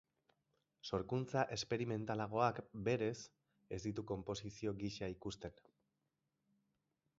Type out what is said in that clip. Sorkuntza esperimentalagoak, berez, ez ditut konposizio gisa ikusten.